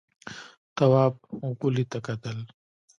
تواب غولي ته کتل….